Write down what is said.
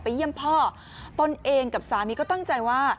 เยี่ยมพ่อตนเองกับสามีก็ตั้งใจว่า